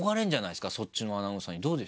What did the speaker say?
そっちのアナウンサーにどうでした？